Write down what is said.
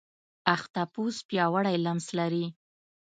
اختاپوس پیاوړی لمس لري.